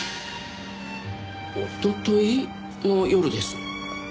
おととい？の夜です。